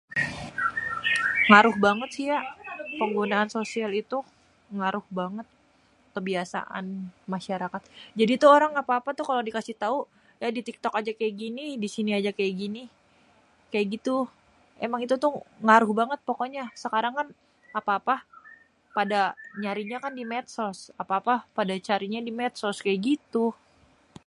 ngaruh banget sih ya. penggunaan sosial itu. ngaruh banget kebiasaan masyarakat. jadi tuh orang apa-apa kalo di kasih tau ya di tiktok aja gini di sini aja kayak gini. kayak gitu. emang itu tuh ngaruh banget pokoknya. sekarang kan apa-apa nyarinya pada di medsos. apa-apa pada carinya di medsos. kayak gitu.